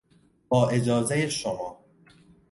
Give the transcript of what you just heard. با اجازهی شما